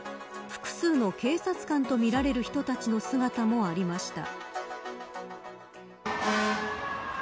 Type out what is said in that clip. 複数の警察官とみられる人たちの姿もありました。